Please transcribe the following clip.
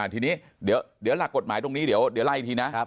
ทีนี้เดี๋ยวหลักกฎหมายตรงนี้เดี๋ยวไล่อีกทีนะ